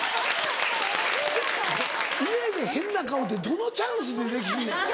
家で変な顔ってどのチャンスでできんねん。